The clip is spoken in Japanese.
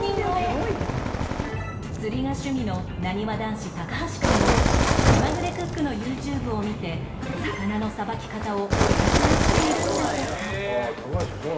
釣りが趣味のなにわ男子高橋くんもきまぐれクックの ＹｏｕＴｕｂｅ を見て魚のさばき方を勉強しているんだとか